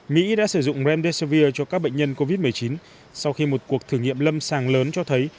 mỹ đã sử dụng remdesivir cho các bệnh nhân covid một mươi chín sau khi một cuộc thử nghiệm lâm sàng lớn cho thấy